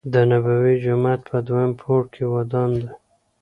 دنبوی جومات په دویم پوړ کې ودان دی.